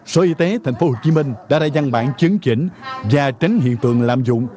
sở y tế tp hcm đã ra dăng bản chứng chỉnh và tránh hiện tượng làm dụng